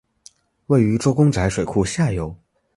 位于周公宅水库下游。